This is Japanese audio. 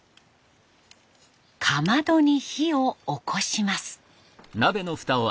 かまどに火をおこします。